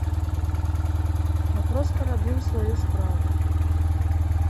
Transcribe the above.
Я проста рабіў сваю справу.